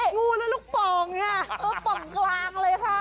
ปองกลางเลยค่ะ